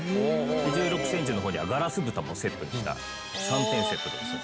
１６センチの方にはガラス蓋もセットにした３点セットですのでね